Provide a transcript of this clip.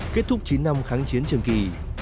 kết thúc chín năm kháng chiến trường kỳ